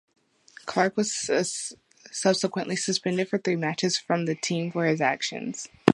Clarke was subsequently suspended for three matches from the team for his actions.